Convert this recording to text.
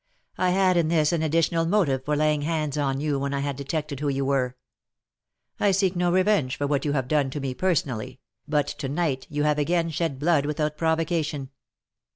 I had in this an additional motive for laying hands on you when I had detected who you were. I seek no revenge for what you have done to me personally, but to night you have again shed blood without provocation.